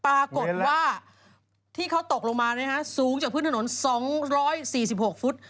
ปรากฏว่าที่เขาตกลงมาสูงจากพื้นถนน๒๔๖ฟุต